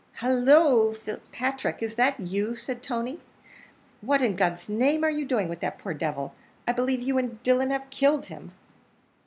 "Halloo, Fitzpatrick, is that you?" said Tony, "what in G d's name are you doing with that poor devil? I believe you and Dillon have killed him."